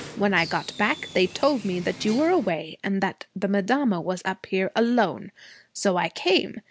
When I got back they told me that you were away and that the madama was up here, alone. So I came.